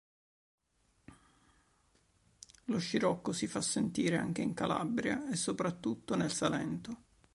Lo scirocco si fa sentire anche in Calabria e soprattutto nel Salento.